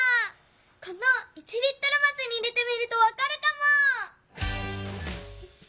この１リットルますに入れてみるとわかるかも。